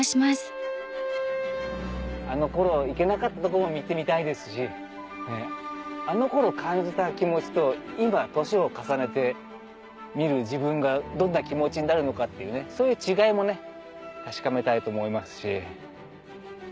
あの頃行けなかったとこも見てみたいですしあの頃感じた気持ちと今年を重ねて見る自分がどんな気持ちになるのかっていうそういう違いも確かめたいと思いますし。